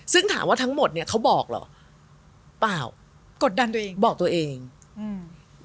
ซึ่งถามว่าทั้งหมดเนี้ยเขาบอกเหรอเปล่ากดดันตัวเองบอกตัวเองอืม